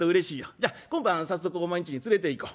じゃ今晩早速お前んちに連れていこう。